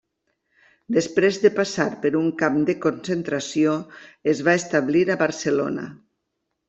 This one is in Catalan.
Després de passar per un camp de concentració es va establir a Barcelona.